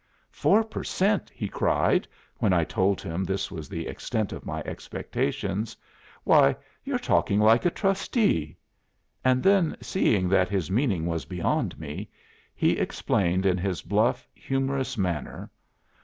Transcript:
'Four per cent!' he cried, when I told him this was the extent of my expectations. 'Why, you're talking like a trustee.' And then seeing that his meaning was beyond me, he explained in his bluff, humorous manner.